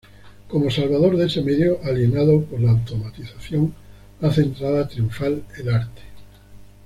Como salvador de ese medio alienado por la automatización, hace entrada triunfal el arte.